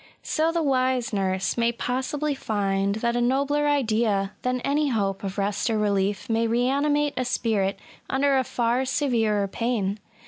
So the wise nurse may possibly find that a nobler idea than any hope of rest or relief may reanimate a spirit imder a far severer pain.